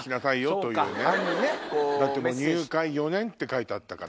「入会４年」って書いてあったから。